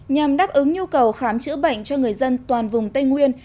nhằm đáp ứng nhu cầu khám chữa bệnh cho người dân toàn vùng tây nguyên